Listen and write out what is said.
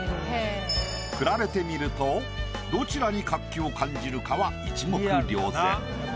比べてみるとどちらに活気を感じるかは一目瞭然。